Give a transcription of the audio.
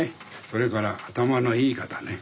それから頭のいい方ね。